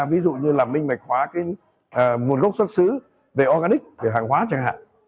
ví dụ như là minh bạch hóa cái nguồn gốc xuất xứ về organic về hàng hóa chẳng hạn